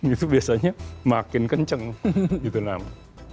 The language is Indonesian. itu biasanya makin kenceng gitu namanya